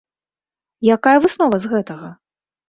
Якая выснова з гэтага?